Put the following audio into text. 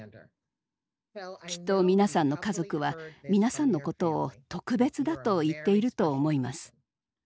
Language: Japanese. きっと皆さんの家族は皆さんのことを「特別だ」と言っていると思います。